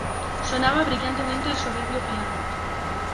Sonaba brillantemente el soberbio piano.